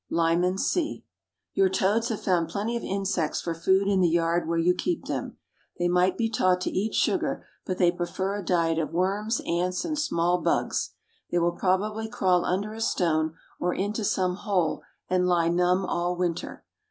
LYMAN C. Your toads have found plenty of insects for food in the yard where you keep them. They might be taught to eat sugar, but they prefer a diet of worms, ants, and small bugs. They will probably crawl under a stone or into some hole, and lie numb all winter.